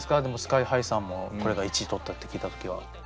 でもＳＫＹ−ＨＩさんもこれが１位取ったって聞いた時は？